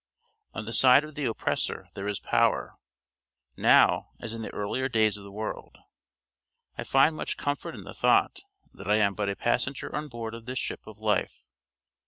On the side of the oppressor there is power, now as in the earlier days of the world. I find much comfort in the thought that I am but a passenger on board of this ship of life.